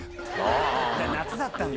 夏だったんだ。